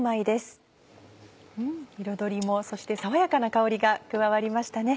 彩りもそして爽やかな香りが加わりましたね。